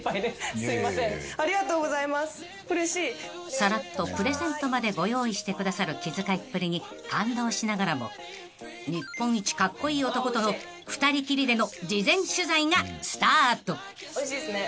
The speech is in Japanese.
［さらっとプレゼントまでご用意してくださる気遣いっぷりに感動しながらも日本一カッコイイ男との］おいしいですね。